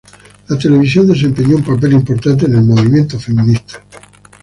La televisión desempeñó un papel importante en el movimiento feminista.